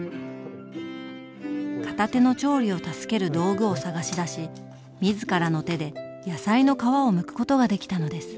片手の調理を助ける道具を探し出し自らの手で野菜の皮をむくことができたのです。